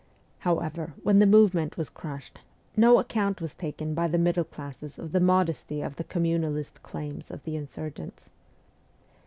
However, when the movement was crushed, no account was taken by the middle classes of the modesty of the Communalist claims of the insurgents.